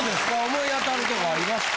思い当たるとこありますか？